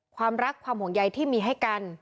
ความรักความห่วงใยที่มีให้กัน